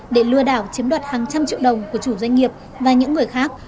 để lừa đảo chiếm đoạt hàng trăm triệu đồng của chủ doanh nghiệp và những người khác